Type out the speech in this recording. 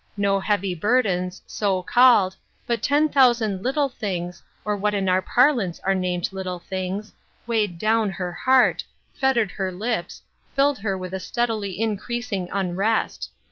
No heavy burdens, so called, but ten thousand little things, or what in our parlance are named little things, weighed down her heart, fet tered her lips, filled her with a steadily increasing unrest.